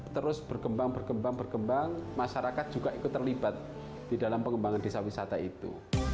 terus berkembang berkembang masyarakat juga ikut terlibat di dalam pengembangan desa wisata itu